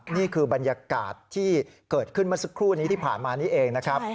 นี่คือบรรยากาศที่เกิดขึ้นเมื่อสักครู่นี้ที่ผ่านมานี้เองนะครับ